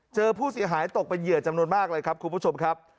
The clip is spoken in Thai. เจอผู้เสียหายตกเป็นเหยื่อจำนวนมากเลยครับคุณผู้ชมครับ